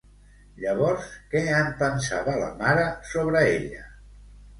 Llavors, què en pensava la mare sobre ella?